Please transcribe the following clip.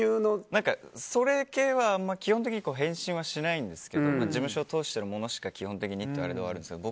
それ系はあんまり基本的に返信はしないんですけど事務所を通してるものしか基本的にっていうのはあるんですけど